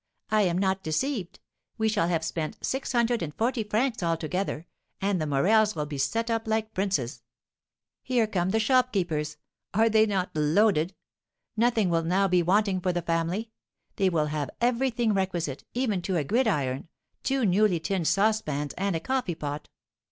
"I am not deceived: we shall have spent six hundred and forty francs all together, and the Morels will be set up like princes. Here come the shopkeepers; are they not loaded? Nothing will now be wanting for the family; they will have everything requisite, even to a gridiron, two newly tinned saucepans, and a coffee pot.